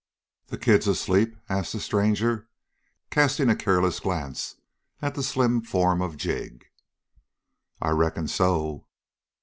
"The kid's asleep?" asked the stranger, casting a careless glance at the slim form of Jig. "I reckon so."